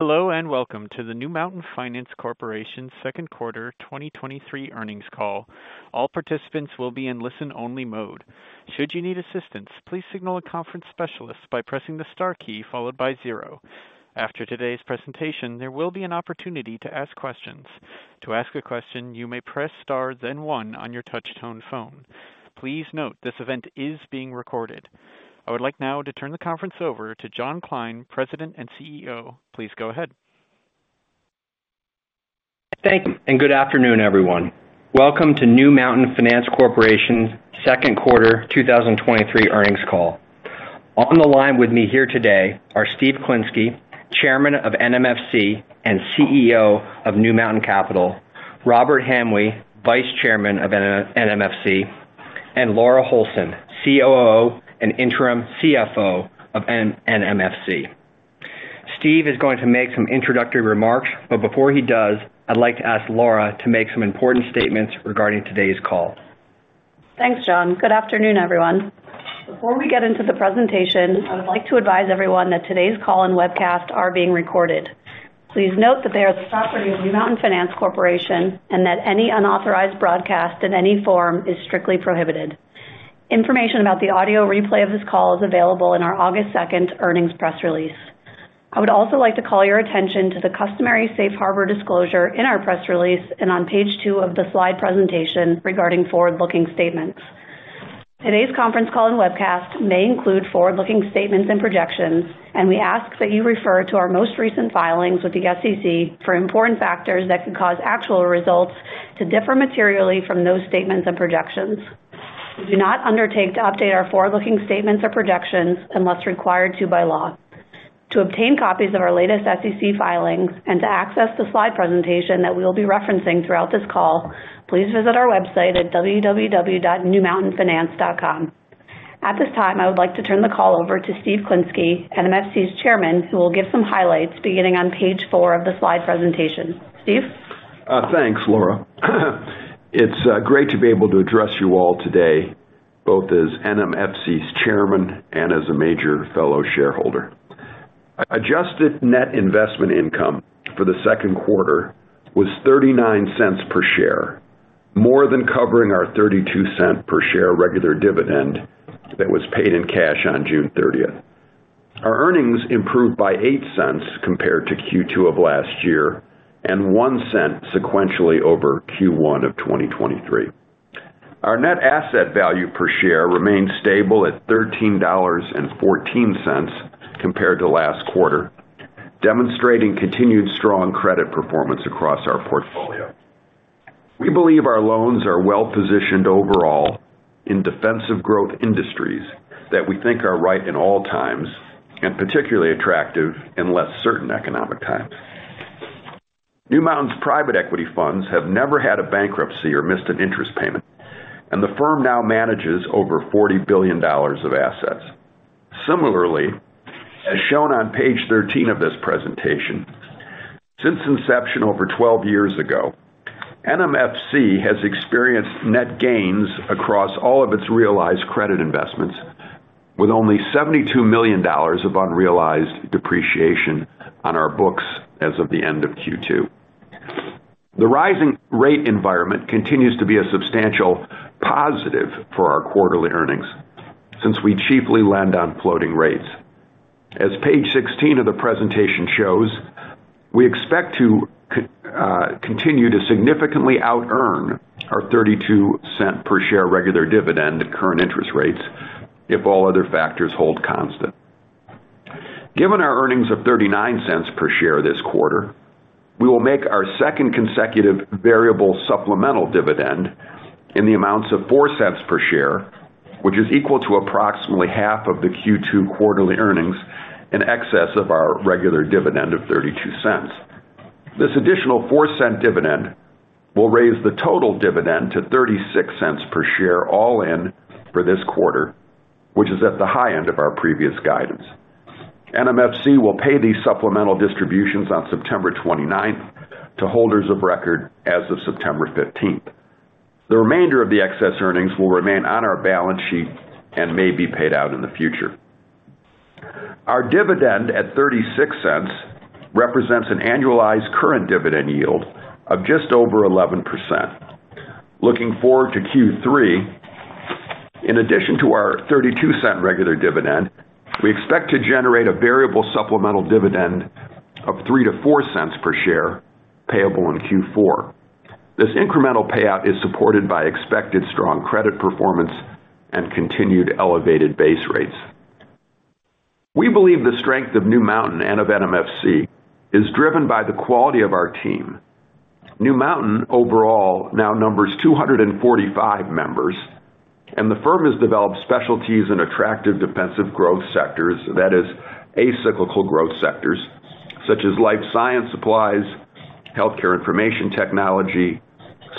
Hello, welcome to the New Mountain Finance Corporation's Second Quarter 2023 Earnings Call. All participants will be in listen-only mode. Should you need assistance, please signal a conference specialist by pressing the star key followed by zero. After today's presentation, there will be an opportunity to ask questions. To ask a question, you may press star, then one on your touch-tone phone. Please note, this event is being recorded. I would like now to turn the conference over to John Kline, President and CEO. Please go ahead. Thank you. Good afternoon, everyone. Welcome to New Mountain Finance Corporation's second quarter 2023 earnings call. On the line with me here today are Steve Klinsky, Chairman of NMFC and CEO of New Mountain Capital; Robert Hamwee, Vice Chairman of NMFC, and Laura Holson, COO and Interim CFO of NMFC. Steve is going to make some introductory remarks. Before he does, I'd like to ask Laura to make some important statements regarding today's call. Thanks, John. Good afternoon, everyone. Before we get into the presentation, I would like to advise everyone that today's call and webcast are being recorded. Please note that they are the property of New Mountain Finance Corporation, and that any unauthorized broadcast in any form is strictly prohibited. Information about the audio replay of this call is available in our August 2nd earnings press release. I would also like to call your attention to the customary Safe Harbor disclosure in our press release and on page two of the slide presentation regarding forward-looking statements. Today's conference call and webcast may include forward-looking statements and projections, and we ask that you refer to our most recent filings with the SEC for important factors that could cause actual results to differ materially from those statements and projections. We do not undertake to update our forward-looking statements or projections unless required to by law. To obtain copies of our latest SEC filings and to access the slide presentation that we'll be referencing throughout this call, please visit our website at www.newmountainfinance.com. At this time, I would like to turn the call over to Steve Klinsky, NMFC's chairman, who will give some highlights beginning on page four of the slide presentation. Steve? Thanks, Laura. It's great to be able to address you all today, both as NMFC's Chairman and as a major fellow shareholder. Adjusted net investment income for the second quarter was $0.39 per share, more than covering our $0.32 per share regular dividend that was paid in cash on June 30th. Our earnings improved by $0.08 compared to Q2 of last year and $0.01 sequentially over Q1 of 2023. Our net asset value per share remained stable at $13.14 compared to last quarter, demonstrating continued strong credit performance across our portfolio. We believe our loans are well-positioned overall in defensive growth industries that we think are right in all times and particularly attractive in less certain economic times. New Mountain's private equity funds have never had a bankruptcy or missed an interest payment. The firm now manages over $40 billion of assets. Similarly, as shown on page 13 of this presentation, since inception over 12 years ago, NMFC has experienced net gains across all of its realized credit investments, with only $72 million of unrealized depreciation on our books as of the end of Q2. The rising rate environment continues to be a substantial positive for our quarterly earnings since we cheaply lend on floating rates. As page 16 of the presentation shows, we expect to continue to significantly outearn our $0.32 per share regular dividend at current interest rates if all other factors hold constant. Given our earnings of $0.39 per share this quarter, we will make our second consecutive variable supplemental dividend in the amounts of $0.04 per share, which is equal to approximately half of the Q2 quarterly earnings in excess of our regular dividend of $0.32. This additional $0.04 dividend will raise the total dividend to $0.36 per share, all in for this quarter, which is at the high end of our previous guidance. NMFC will pay these supplemental distributions on September 29th to holders of record as of September 15th. The remainder of the excess earnings will remain on our balance sheet and may be paid out in the future. Our dividend, at $0.36, represents an annualized current dividend yield of just over 11%. Looking forward to Q3, in addition to our $0.32 regular dividend, we expect to generate a variable supplemental dividend of $0.03-$0.04 per share, payable in Q4. This incremental payout is supported by expected strong credit performance and continued elevated base rates. We believe the strength of New Mountain and of NMFC is driven by the quality of our team. New Mountain overall now numbers 245 members. The firm has developed specialties in attractive defensive growth sectors, that is, acyclical growth sectors such as life science supplies, healthcare information technology,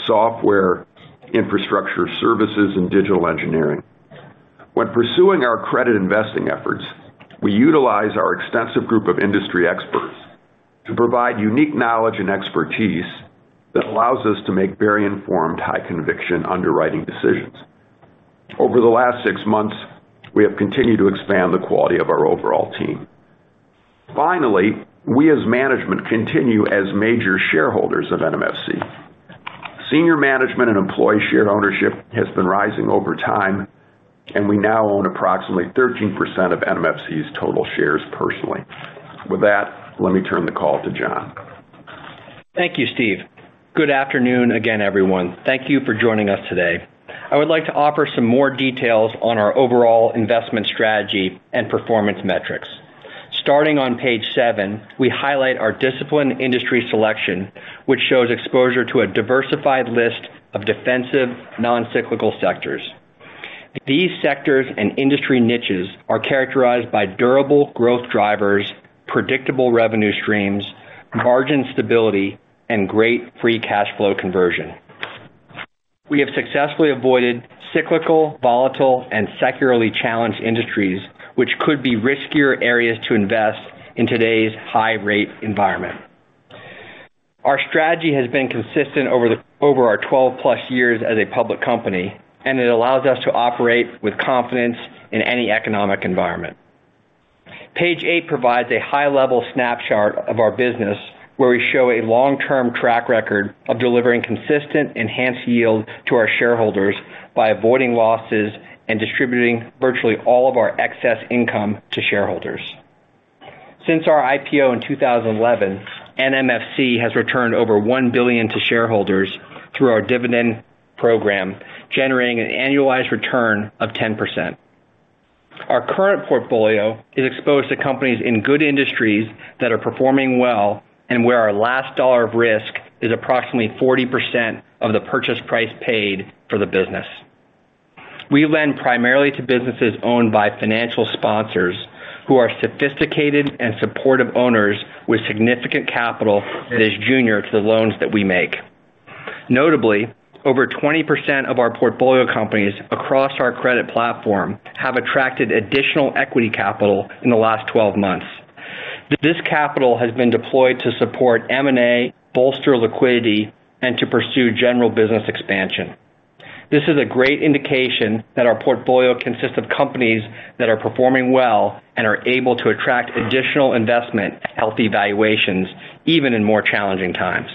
software, infrastructure services, and digital engineering. When pursuing our credit investing efforts, we utilize our extensive group of industry experts to provide unique knowledge and expertise that allows us to make very informed, high conviction underwriting decisions. Over the last 6 months, we have continued to expand the quality of our overall team. Finally, we as management continue as major shareholders of NMFC. Senior management and employee share ownership has been rising over time, and we now own approximately 13% of NMFC's total shares personally. With that, let me turn the call to John. Thank you, Steve. Good afternoon again, everyone. Thank you for joining us today. I would like to offer some more details on our overall investment strategy and performance metrics. Starting on page seven, we highlight our disciplined industry selection, which shows exposure to a diversified list of defensive, non-cyclical sectors. These sectors and industry niches are characterized by durable growth drivers, predictable revenue streams, margin stability, and great free cash flow conversion. We have successfully avoided cyclical, volatile, and secularly challenged industries, which could be riskier areas to invest in today's high-rate environment. Our strategy has been consistent over our 12+ years as a public company, and it allows us to operate with confidence in any economic environment. Page eight provides a high-level snapshot of our business, where we show a long-term track record of delivering consistent, enhanced yield to our shareholders by avoiding losses and distributing virtually all of our excess income to shareholders. Since our IPO in 2011, NMFC has returned over $1 billion to shareholders through our dividend program, generating an annualized return of 10%. Our current portfolio is exposed to companies in good industries that are performing well and where our last dollar of risk is approximately 40% of the purchase price paid for the business. We lend primarily to businesses owned by financial sponsors who are sophisticated and supportive owners with significant capital that is junior to the loans that we make. Notably, over 20% of our portfolio companies across our credit platform have attracted additional equity capital in the last 12 months. This capital has been deployed to support M&A, bolster liquidity, and to pursue general business expansion. This is a great indication that our portfolio consists of companies that are performing well and are able to attract additional investment at healthy valuations, even in more challenging times.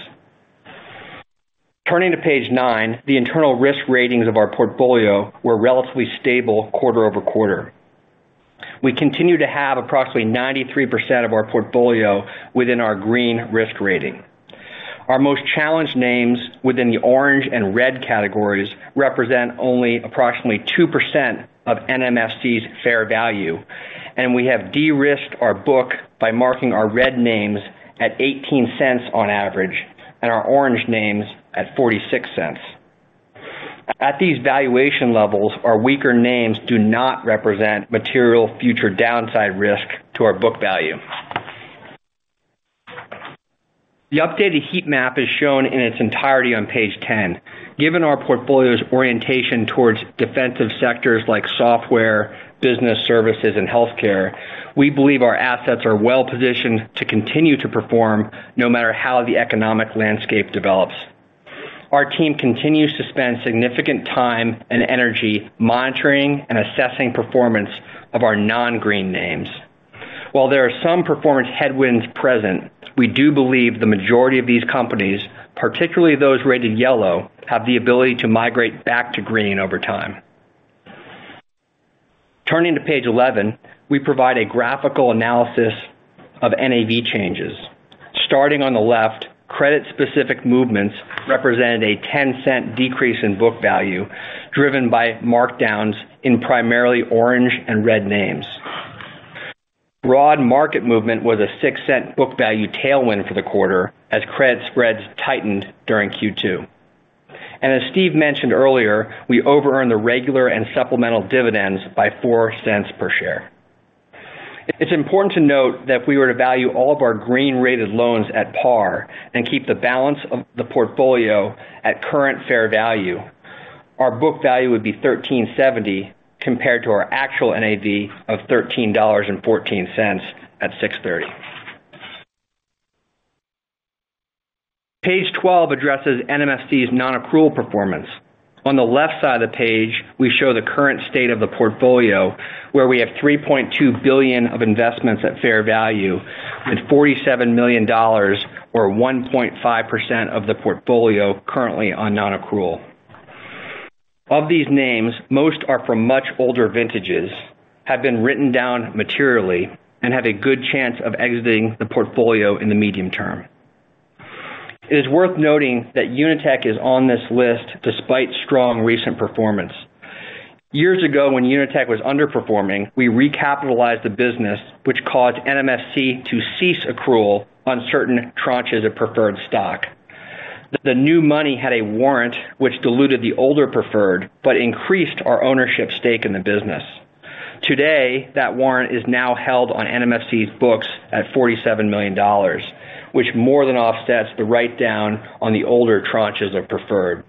Turning to page nine, the internal risk ratings of our portfolio were relatively stable quarter-over-quarter. We continue to have approximately 93% of our portfolio within our green risk rating. Our most challenged names within the orange and red categories represent only approximately 2% of NMFC's fair value, and we have de-risked our book by marking our red names at $0.18 on average and our orange names at $0.46. At these valuation levels, our weaker names do not represent material future downside risk to our book value. The updated heat map is shown in its entirety on page 10. Given our portfolio's orientation towards defensive sectors like software, business services, and healthcare, we believe our assets are well positioned to continue to perform no matter how the economic landscape develops. Our team continues to spend significant time and energy monitoring and assessing performance of our non-green names. While there are some performance headwinds present, we do believe the majority of these companies, particularly those rated yellow, have the ability to migrate back to green over time. Turning to page 11, we provide a graphical analysis of NAV changes. Starting on the left, credit-specific movements represented a $0.10 decrease in book value, driven by markdowns in primarily orange and red names. Broad market movement was a $0.06 book value tailwind for the quarter as credit spreads tightened during Q2. As Steve mentioned earlier, we overearned the regular and supplemental dividends by $0.04 per share. It's important to note that if we were to value all of our green-rated loans at par and keep the balance of the portfolio at current fair value, our book value would be $13.70, compared to our actual NAV of $13.14 at 6/30. Page 12 addresses NMFC's non-accrual performance. On the left side of the page, we show the current state of the portfolio, where we have $3.2 billion of investments at fair value, with $47 million, or 1.5% of the portfolio, currently on non-accrual. Of these names, most are from much older vintages, have been written down materially, and have a good chance of exiting the portfolio in the medium term. It is worth noting that UniTek is on this list despite strong recent performance. Years ago, when UniTek was underperforming, we recapitalized the business, which caused NMFC to cease accrual on certain tranches of preferred stock. The new money had a warrant, which diluted the older preferred, but increased our ownership stake in the business. Today, that warrant is now held on NMFC's books at $47 million, which more than offsets the write-down on the older tranches of preferred.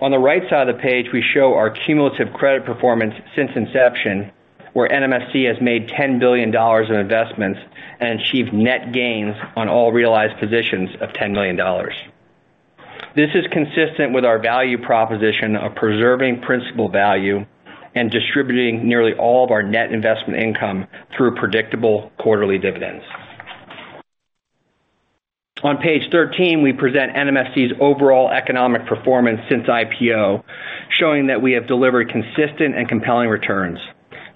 On the right side of the page, we show our cumulative credit performance since inception. where NMFC has made $10 billion in investments and achieved net gains on all realized positions of $10 million. This is consistent with our value proposition of preserving principal value and distributing nearly all of our net investment income through predictable quarterly dividends. On page 13, we present NMFC's overall economic performance since IPO, showing that we have delivered consistent and compelling returns.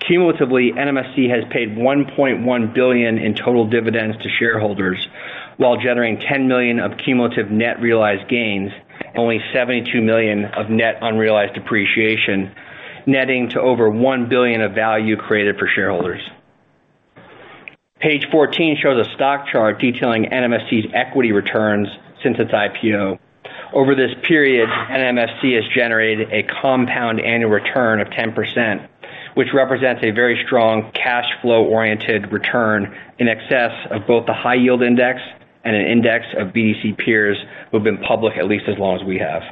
Cumulatively, NMFC has paid $1.1 billion in total dividends to shareholders, while generating $10 million of cumulative net realized gains and only $72 million of net unrealized depreciation, netting to over $1 billion of value created for shareholders. Page 14 shows a stock chart detailing NMFC's equity returns since its IPO. Over this period, NMFC has generated a compound annual return of 10%, which represents a very strong cash flow-oriented return in excess of both the high yield index and an index of BDC peers who have been public at least as long as we have.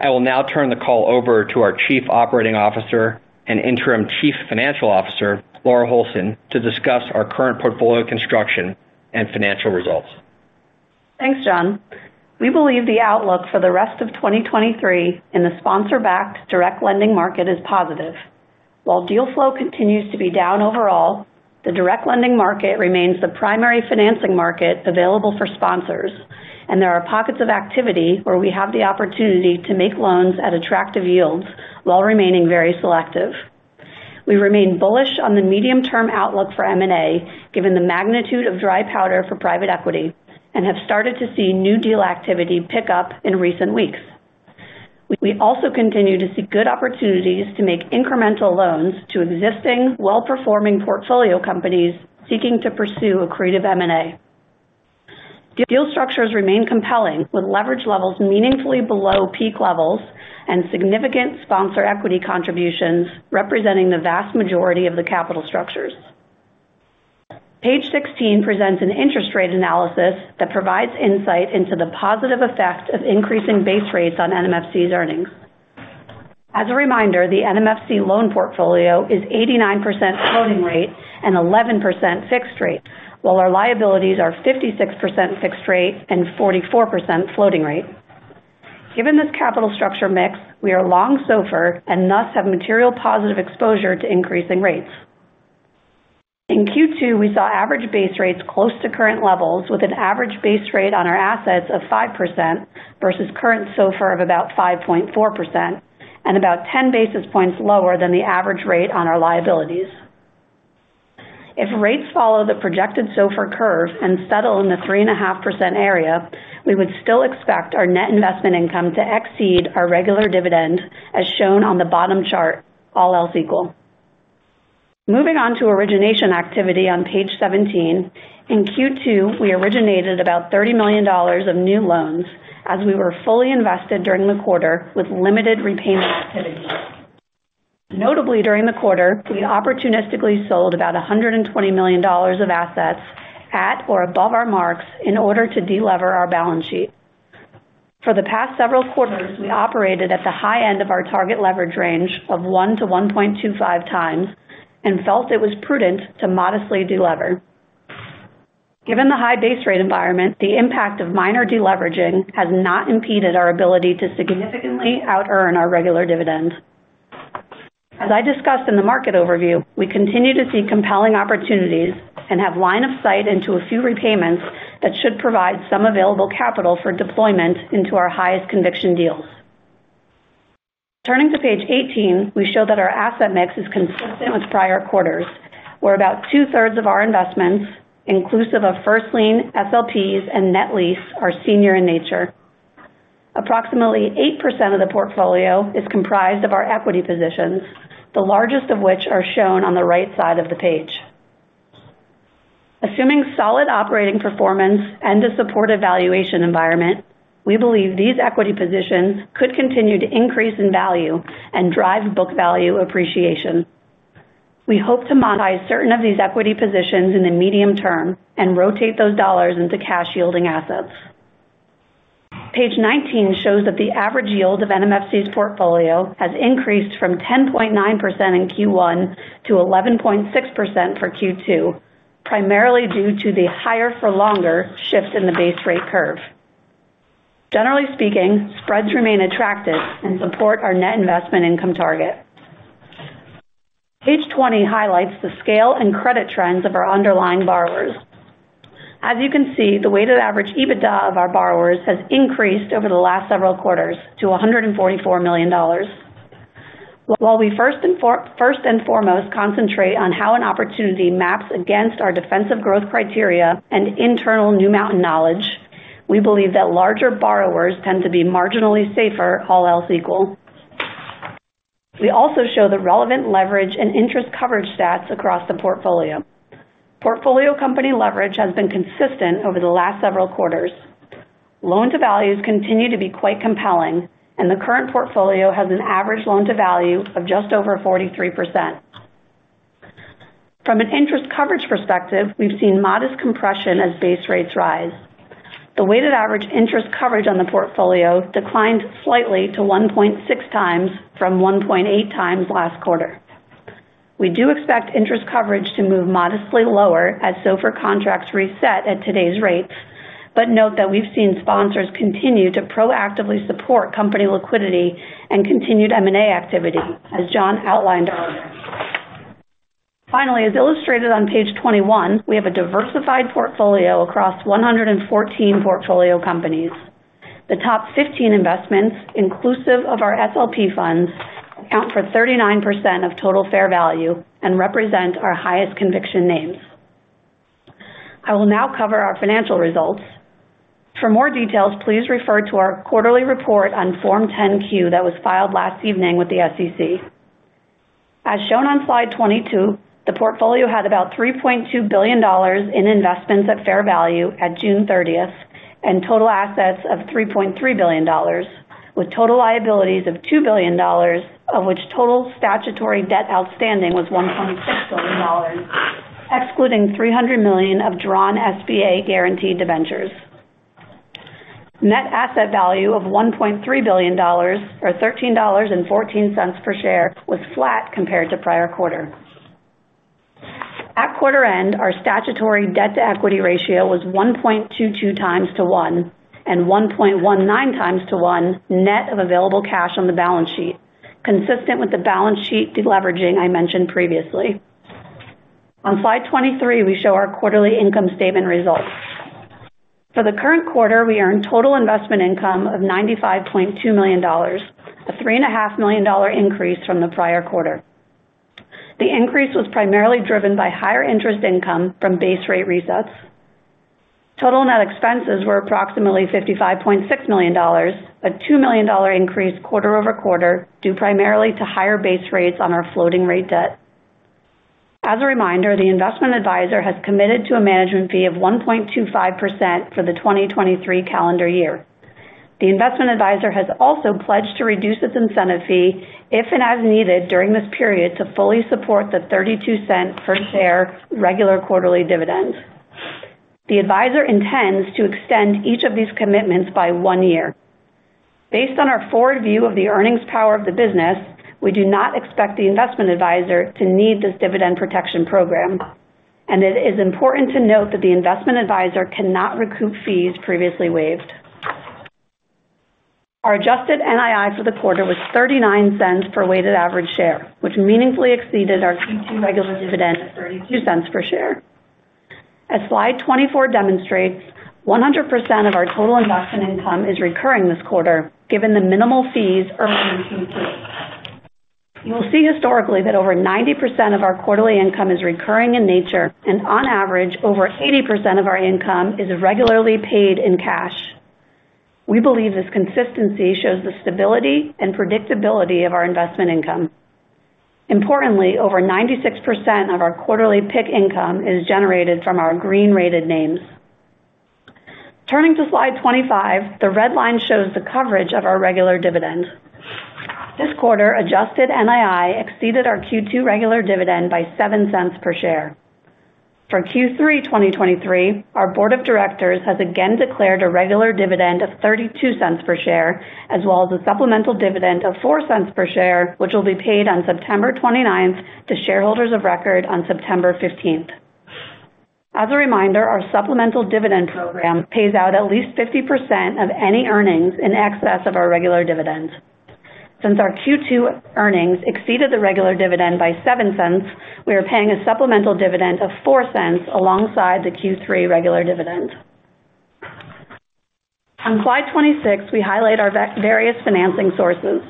I will now turn the call over to our Chief Operating Officer and Interim Chief Financial Officer, Laura Holson, to discuss our current portfolio construction and financial results. Thanks, John. We believe the outlook for the rest of 2023 in the sponsor-backed direct lending market is positive. While deal flow continues to be down overall, the direct lending market remains the primary financing market available for sponsors, and there are pockets of activity where we have the opportunity to make loans at attractive yields while remaining very selective. We remain bullish on the medium-term outlook for M&A, given the magnitude of dry powder for private equity, and have started to see new deal activity pick up in recent weeks. We also continue to see good opportunities to make incremental loans to existing, well-performing portfolio companies seeking to pursue accretive M&A. Deal structures remain compelling, with leverage levels meaningfully below peak levels and significant sponsor equity contributions representing the vast majority of the capital structures. Page 16 presents an interest rate analysis that provides insight into the positive effect of increasing base rates on NMFC's earnings. As a reminder, the NMFC loan portfolio is 89% floating rate and 11% fixed rate, while our liabilities are 56% fixed rate and 44% floating rate. Given this capital structure mix, we are long SOFR and thus have material positive exposure to increasing rates. In Q2, we saw average base rates close to current levels, with an average base rate on our assets of 5% versus current SOFR of about 5.4% and about 10 basis points lower than the average rate on our liabilities. If rates follow the projected SOFR curve and settle in the 3.5% area, we would still expect our net investment income to exceed our regular dividend, as shown on the bottom chart, all else equal. Moving on to origination activity on page 17. In Q2, we originated about $30 million of new loans as we were fully invested during the quarter with limited repayment activity. Notably, during the quarter, we opportunistically sold about $120 million of assets at or above our marks in order to de-lever our balance sheet. For the past several quarters, we operated at the high end of our target leverage range of 1x-1.25x and felt it was prudent to modestly de-lever. Given the high base rate environment, the impact of minor de-leveraging has not impeded our ability to significantly outearn our regular dividend. As I discussed in the market overview, we continue to see compelling opportunities and have line of sight into a few repayments that should provide some available capital for deployment into our highest conviction deals. Turning to page 18, we show that our asset mix is consistent with prior quarters, where about 2/3 of our investments, inclusive of first lien, SLPs, and net lease, are senior in nature. Approximately 8% of the portfolio is comprised of our equity positions, the largest of which are shown on the right side of the page. Assuming solid operating performance and a supportive valuation environment, we believe these equity positions could continue to increase in value and drive book value appreciation. We hope to monetize certain of these equity positions in the medium term and rotate those dollars into cash-yielding assets. Page 19 shows that the average yield of NMFC's portfolio has increased from 10.9% in Q1 to 11.6% for Q2, primarily due to the higher-for-longer shift in the base rate curve. Generally speaking, spreads remain attractive and support our net investment income target. Page 20 highlights the scale and credit trends of our underlying borrowers. As you can see, the weighted average EBITDA of our borrowers has increased over the last several quarters to $144 million. While we first and foremost, concentrate on how an opportunity maps against our defensive growth criteria and internal New Mountain knowledge, we believe that larger borrowers tend to be marginally safer, all else equal. We also show the relevant leverage and interest coverage stats across the portfolio. Portfolio company leverage has been consistent over the last several quarters. Loan-to-values continue to be quite compelling, and the current portfolio has an average loan-to-value of just over 43%. From an interest coverage perspective, we've seen modest compression as base rates rise. The weighted average interest coverage on the portfolio declined slightly to 1.6x from 1.8x last quarter. We do expect interest coverage to move modestly lower as SOFR contracts reset at today's rates, but note that we've seen sponsors continue to proactively support company liquidity and continued M&A activity, as John outlined earlier. Finally, as illustrated on page 21, we have a diversified portfolio across 114 portfolio companies. The top 15 investments, inclusive of our SLP funds, account for 39% of total fair value and represent our highest conviction names. I will now cover our financial results. For more details, please refer to our quarterly report on Form 10-Q that was filed last evening with the SEC. As shown on slide 22, the portfolio had about $3.2 billion in investments at fair value at June 30th, and total assets of $3.3 billion, with total liabilities of $2 billion, of which total statutory debt outstanding was $1.6 billion, excluding $300 million of drawn SBA guaranteed debentures. Net asset value of $1.3 billion, or $13.14 per share, was flat compared to prior quarter. At quarter end, our statutory debt-to-equity ratio was 1.22x-1x, and 1.19x-1x net of available cash on the balance sheet, consistent with the balance sheet deleveraging I mentioned previously. On slide 23, we show our quarterly income statement results. For the current quarter, we earned total investment income of $95.2 million, a $3.5 million increase from the prior quarter. The increase was primarily driven by higher interest income from base rate resets. Total net expenses were approximately $55.6 million, a $2 million increase quarter-over-quarter, due primarily to higher base rates on our floating rate debt. As a reminder, the investment advisor has committed to a management fee of 1.25% for the 2023 calendar year. The investment advisor has also pledged to reduce its incentive fee if and as needed during this period to fully support the $0.32 per share regular quarterly dividend. The advisor intends to extend each of these commitments by one year. Based on our forward view of the earnings power of the business, we do not expect the investment advisor to need this dividend protection program, and it is important to note that the investment advisor cannot recoup fees previously waived. Our adjusted NII for the quarter was $0.39 per weighted average share, which meaningfully exceeded our Q2 regular dividend of $0.32 per share. As slide 24 demonstrates, 100% of our total investment income is recurring this quarter, given the minimal fees earned in Q2. You will see historically that over 90% of our quarterly income is recurring in nature, and on average, over 80% of our income is regularly paid in cash. We believe this consistency shows the stability and predictability of our investment income. Importantly, over 96% of our quarterly PIK income is generated from our green-rated names. Turning to slide 25, the red line shows the coverage of our regular dividend. This quarter, adjusted NII exceeded our Q2 regular dividend by $0.07 per share. For Q3 2023, our Board of Directors has again declared a regular dividend of $0.32 per share, as well as a supplemental dividend of $0.04 per share, which will be paid on September 29th to shareholders of record on September 15th. As a reminder, our supplemental dividend program pays out at least 50% of any earnings in excess of our regular dividend. Since our Q2 earnings exceeded the regular dividend by $0.07, we are paying a supplemental dividend of $0.04 alongside the Q3 regular dividend. On slide 26, we highlight our various financing sources.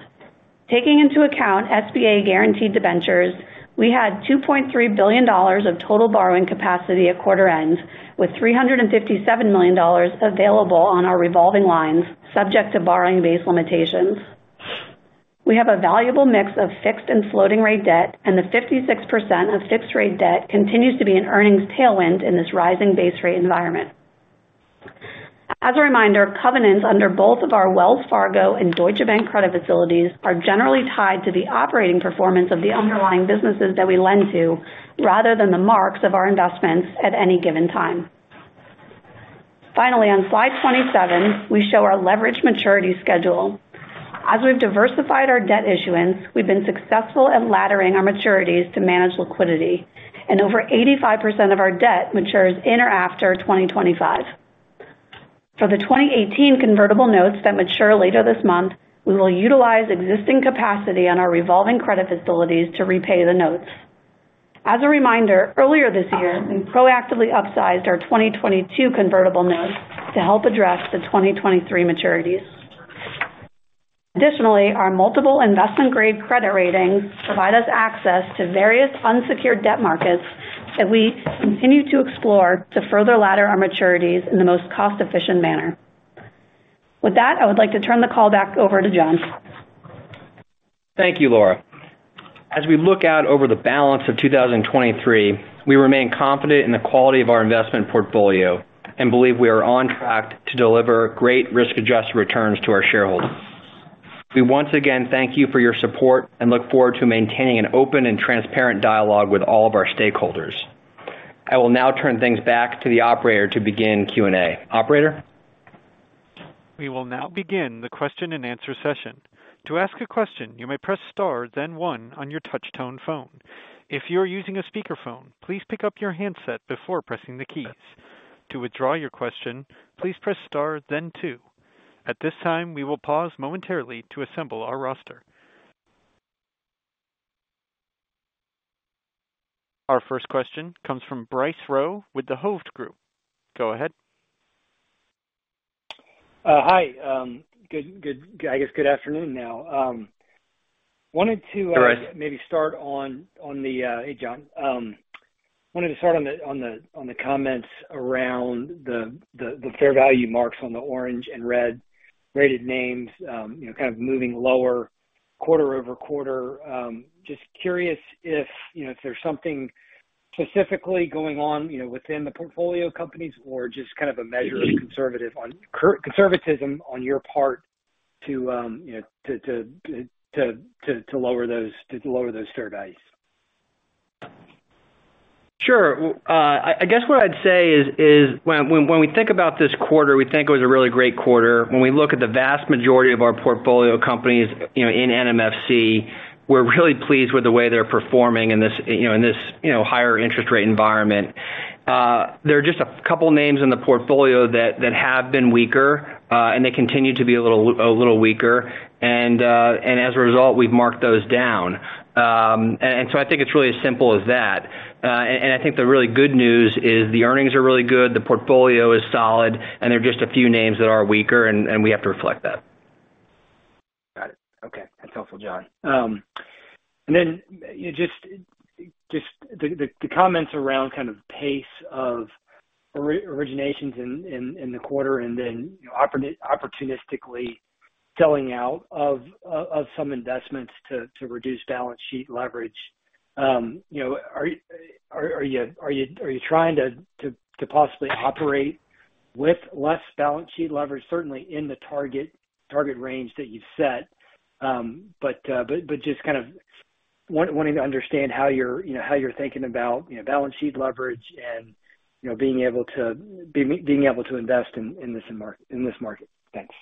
Taking into account SBA guaranteed debentures, we had $2.3 billion of total borrowing capacity at quarter end, with $357 million available on our revolving lines, subject to borrowing base limitations. We have a valuable mix of fixed and floating rate debt, and the 56% of fixed rate debt continues to be an earnings tailwind in this rising base rate environment. As a reminder, covenants under both of our Wells Fargo and Deutsche Bank credit facilities are generally tied to the operating performance of the underlying businesses that we lend to, rather than the marks of our investments at any given time. Finally, on slide 27, we show our leverage maturity schedule. As we've diversified our debt issuance, we've been successful at laddering our maturities to manage liquidity, and over 85% of our debt matures in or after 2025. For the 2018 convertible notes that mature later this month, we will utilize existing capacity on our revolving credit facilities to repay the notes. As a reminder, earlier this year, we proactively upsized our 2022 convertible notes to help address the 2023 maturities. Additionally, our multiple investment grade credit ratings provide us access to various unsecured debt markets that we continue to explore to further ladder our maturities in the most cost-efficient manner. With that, I would like to turn the call back over to John. Thank you, Laura. As we look out over the balance of 2023, we remain confident in the quality of our investment portfolio and believe we are on track to deliver great risk-adjusted returns to our shareholders. We once again thank you for your support and look forward to maintaining an open and transparent dialogue with all of our stakeholders. I will now turn things back to the operator to begin Q&A. Operator? We will now begin the question-and-answer session. To ask a question, you may press star, then one on your touch tone phone. If you're using a speakerphone, please pick up your handset before pressing the keys. To withdraw your question, please press star then two. At this time, we will pause momentarily to assemble our roster. Our first question comes from Bryce Rowe with the Hovde Group. Go ahead. Hi, good, good, I guess good afternoon now. Bryce. Maybe start on, on the, hey, John. Wanted to start on the, on the, on the comments around the, the, the fair value marks on the orange and red rated names, you know, kind of moving lower quarter-over-quarter. Just curious if, you know, if there's something specifically going on, you know, within the portfolio companies or just kind of a measure of conservatism on your part to, you know, to, to, to, to, to lower those, to lower those fair values? Sure. I guess what I'd say is, is when, when, when we think about this quarter, we think it was a really great quarter. When we look at the vast majority of our portfolio companies, you know, in NMFC, we're really pleased with the way they're performing in this, you know, in this, you know, higher interest rate environment. There are just a couple names in the portfolio that, that have been weaker, they continue to be a little, a little weaker, as a result, we've marked those down. So I think it's really as simple as that. I think the really good news is the earnings are really good, the portfolio is solid, there are just a few names that are weaker, we have to reflect that. Got it. Okay. That's helpful, John. You just the comments around kind of pace of originations in the quarter, you know, opportunistically selling out of some investments to reduce balance sheet leverage. You know, are you trying to possibly operate with less balance sheet leverage, certainly in the target range that you've set? Just kind of wanting to understand how you're, you know, how you're thinking about, you know, balance sheet leverage and, you know, being able to invest in this market. Thanks.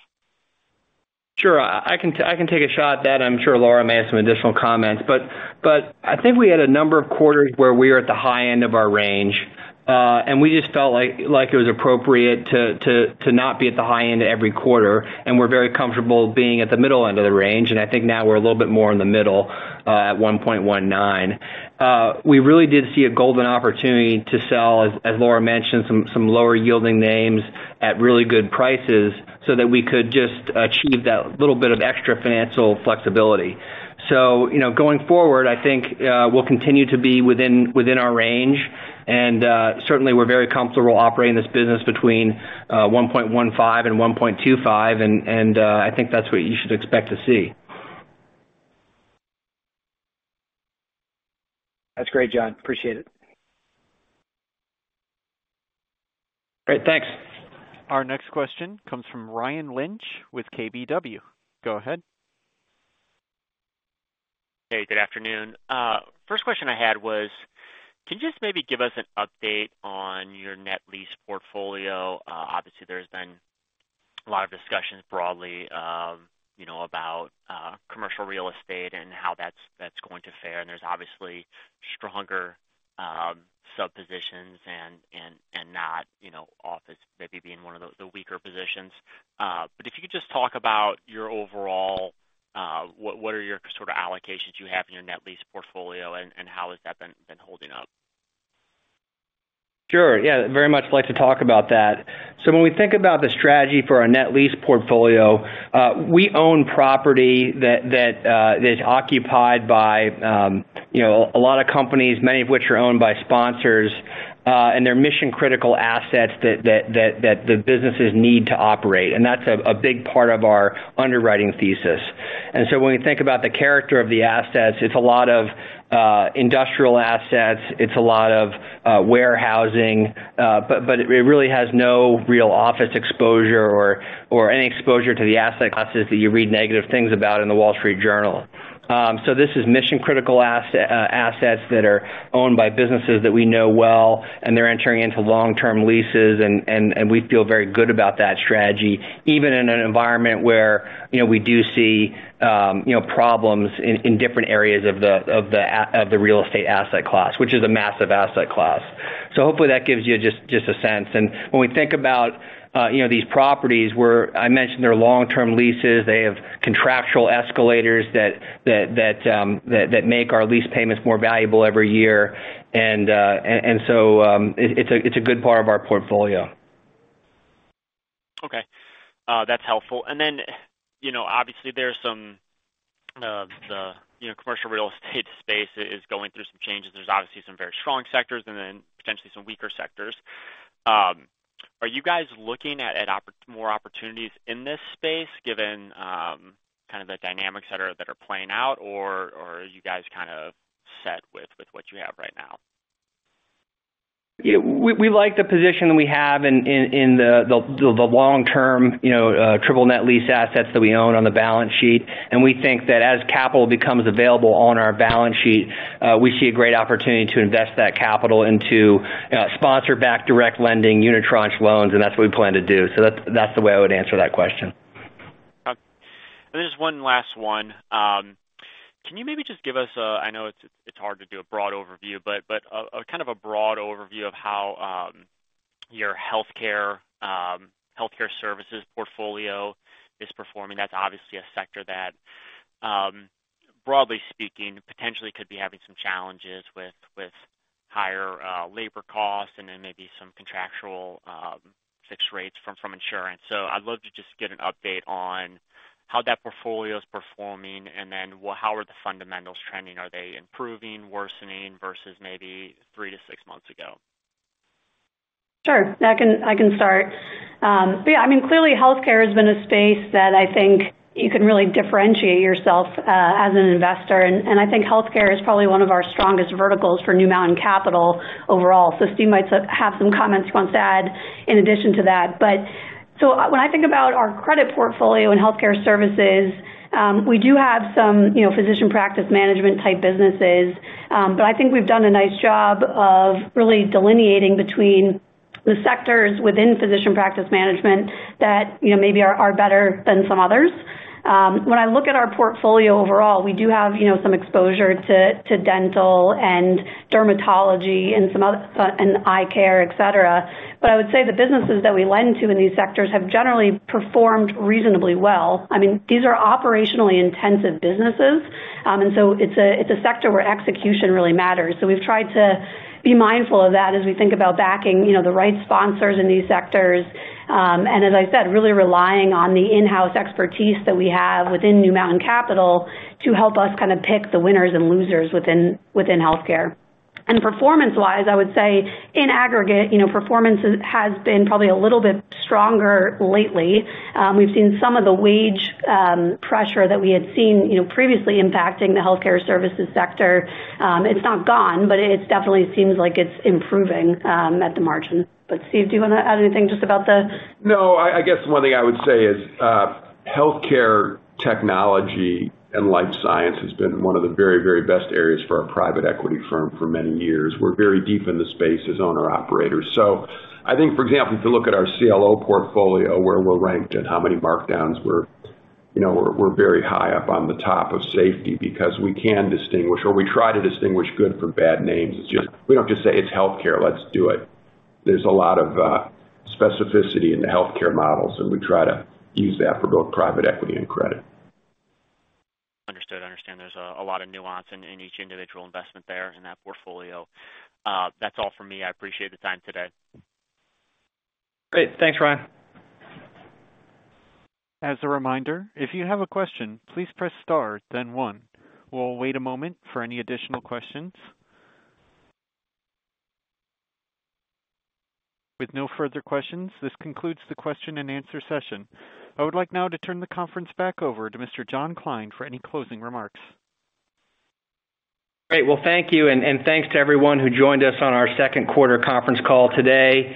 Sure. I can take a shot at that. I'm sure Laura may have some additional comments. I think we had a number of quarters where we were at the high end of our range, and we just felt like, like it was appropriate to not be at the high end every quarter, and we're very comfortable being at the middle end of the range. I think now we're a little bit more in the middle, at 1.19. We really did see a golden opportunity to sell, as, as Laura mentioned, some, some lower yielding names at really good prices so that we could just achieve that little bit of extra financial flexibility. you know, going forward, I think, we'll continue to be within, within our range. Certainly, we're very comfortable operating this business between 1.15 and 1.25, and I think that's what you should expect to see. That's great, John. Appreciate it. Great, thanks. Our next question comes from Ryan Lynch with KBW. Go ahead. Hey, good afternoon. First question I had was: Can you just maybe give us an update on your net lease portfolio? Obviously, there's been a lot of discussions broadly, you know, about, commercial real estate and how that's, that's going to fare, and there's obviously stronger, sub-positions and, and, and not, you know, office maybe being one of the, the weaker positions. But if you could just talk about your overall, what, what are your sort of allocations you have in your net lease portfolio and, and how has that been, been holding up? Sure. Yeah, very much like to talk about that. When we think about the strategy for our net lease portfolio, we own property that is occupied by, you know, a lot of companies, many of which are owned by sponsors, and they're mission-critical assets that the businesses need to operate, and that's a big part of our underwriting thesis. When we think about the character of the assets, it's a lot of industrial assets, it's a lot of warehousing, but it really has no real office exposure or any exposure to the asset classes that you read negative things about in the Wall Street Journal. This is mission-critical assets that are owned by businesses that we know well, and they're entering into long-term leases, and, and, and we feel very good about that strategy, even in an environment where, you know, we do see, you know, problems in different areas of the real estate asset class, which is a massive asset class. Hopefully that gives you just, just a sense. When we think about, you know, these properties, where I mentioned they're long-term leases, they have contractual escalators that, that, that, that, that make our lease payments more valuable every year. And, and so, it's a, it's a good part of our portfolio. Okay, that's helpful. Then, you know, obviously there's some, the, you know, commercial real estate space is going through some changes. There's obviously some very strong sectors and then potentially some weaker sectors. Are you guys looking at more opportunities in this space given, kind of the dynamics that are, that are playing out, or, or are you guys kind of set with, with what you have right now? ... Yeah, we, we like the position we have in, in, in the, the, the long-term, you know, triple net lease assets that we own on the balance sheet. We think that as capital becomes available on our balance sheet, we see a great opportunity to invest that capital into sponsor-backed direct lending, unitranche loans, and that's what we plan to do. That's, that's the way I would answer that question. Okay. There's one last one. Can you maybe just give us I know it's, it's hard to do a broad overview, but, but a, a kind of a broad overview of how your healthcare healthcare services portfolio is performing. That's obviously a sector that broadly speaking, potentially could be having some challenges with, with higher labor costs and then maybe some contractual fixed rates from, from insurance. I'd love to just get an update on how that portfolio is performing, and then how are the fundamentals trending? Are they improving, worsening, versus maybe three to six months ago? Sure. I can, I can start. Yeah, I mean, clearly, healthcare has been a space that I think you can really differentiate yourself as an investor. I think healthcare is probably one of our strongest verticals for New Mountain Capital overall. Steve might have some comments he wants to add in addition to that. When I think about our credit portfolio in healthcare services, we do have some, you know, physician practice management type businesses. I think we've done a nice job of really delineating between the sectors within physician practice management that, you know, maybe are, are better than some others. When I look at our portfolio overall, we do have, you know, some exposure to, to dental and dermatology and some other, and eye care, et cetera. I would say the businesses that we lend to in these sectors have generally performed reasonably well. I mean, these are operationally intensive businesses. It's a, it's a sector where execution really matters. We've tried to be mindful of that as we think about backing, you know, the right sponsors in these sectors. As I said, really relying on the in-house expertise that we have within New Mountain Capital to help us kind of pick the winners and losers within, within healthcare. Performance-wise, I would say in aggregate, you know, performance has been probably a little bit stronger lately. We've seen some of the wage, pressure that we had seen, you know, previously impacting the healthcare services sector. It's not gone, but it's definitely seems like it's improving, at the margin. Steve, do you want to add anything just about? No, I, I guess one thing I would say is, healthcare technology and life science has been one of the very, very best areas for our private equity firm for many years. We're very deep in the space as owner-operators. I think, for example, if you look at our CLO portfolio, where we're ranked and how many markdowns, we're, you know, we're, we're very high up on the top of safety because we can distinguish or we try to distinguish good from bad names. It's just, we don't just say, "It's healthcare, let's do it." There's a lot of specificity in the healthcare models, and we try to use that for both private equity and credit. Understood. I understand there's a, a lot of nuance in, in each individual investment there in that portfolio. That's all for me. I appreciate the time today. Great. Thanks, Ryan. As a reminder, if you have a question, please press star then one. We'll wait a moment for any additional questions. With no further questions, this concludes the question-and-answer session. I would like now to turn the conference back over to Mr. John Kline for any closing remarks. Great. Well, thank you, and, and thanks to everyone who joined us on our second quarter conference call today.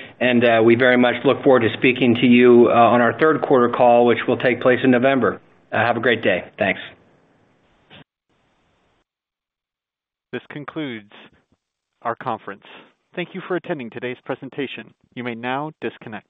We very much look forward to speaking to you, on our third quarter call, which will take place in November. Have a great day. Thanks. This concludes our conference. Thank you for attending today's presentation. You may now disconnect.